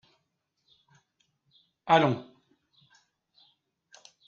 Allons.